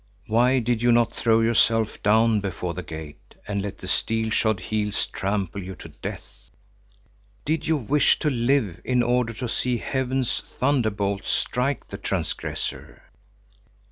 Why did you not throw yourself down before the gate and let the steel shod heels trample you to death? Did you wish to live in order to see heaven's thunder bolts strike the transgressor?